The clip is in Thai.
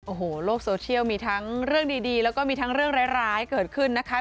โอ้โหโลกโซเชียลมีทั้งเรื่องดีแล้วก็มีทั้งเรื่องร้ายเกิดขึ้นนะคะ